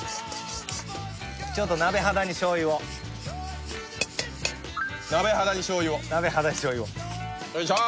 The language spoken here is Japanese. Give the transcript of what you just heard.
ちょっと鍋肌に醤油を鍋肌に醤油をよいしょ！